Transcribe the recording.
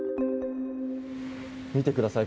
見てください。